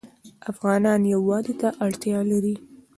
افغانان یووالي ته اړتیا لري.